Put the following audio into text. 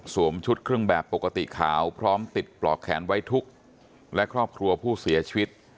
ชุดเครื่องแบบปกติขาวพร้อมติดปลอกแขนไว้ทุกข์และครอบครัวผู้เสียชีวิต